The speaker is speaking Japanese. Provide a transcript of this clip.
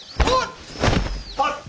あっ！